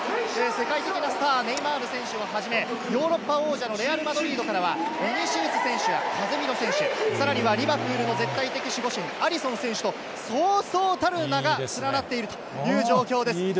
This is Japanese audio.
世界的なスター、ネイマール選手をはじめ、ヨーロッパ王者のレアル・マドリードからは、ビニシウス選手や、あずみの選手、さらにはリバプールの絶対的守護神、アリソン選手と、そうそうたる名が連なっているという状況です。